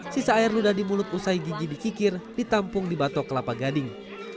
sisa air luda di mulut usai gigi dikikir ditampung di batok kelapa gading